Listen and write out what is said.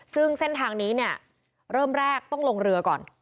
ซึ่งเส้นทางนี้เนี่ยเริ่มแรกต้องลงเรือก่อน